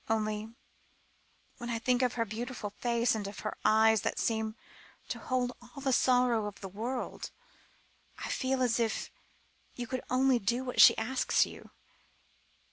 Only when I think of her beautiful face, and of her eyes that seemed to hold all the sorrow in the world, I feel as if you could only do what she asked you."